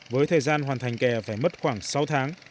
với thời gian hoàn thành kè phải mất khoảng sáu tháng